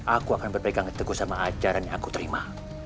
aku akan berpegang teguh sama ajaran yang aku terima